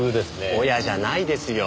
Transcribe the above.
「おや」じゃないですよ。